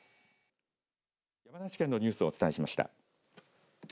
山梨県のニュースをお伝えしました。